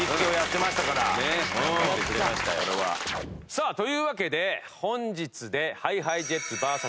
さあというわけで本日でＨｉＨｉＪｅｔｓＶＳ